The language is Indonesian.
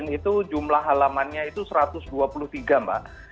itu jumlah halamannya itu satu ratus dua puluh tiga mbak